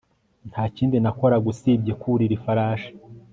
nta kindi nakoraga usibye kwurira ifarashi